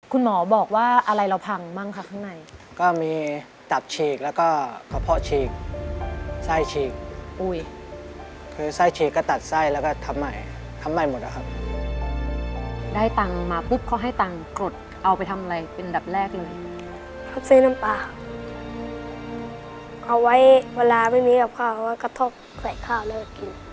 เอาไว้เวลาไม่มีกับข้าวกระทบใส่ข้าวแล้วกิน